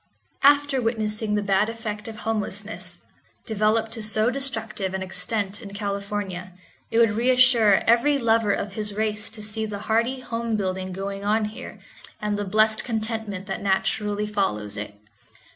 After witnessing the bad effect of homelessness, developed to so destructive an extent in California, it would reassure every lover of his race to see the hearty home building going on here and the blessed contentment that naturally follows it.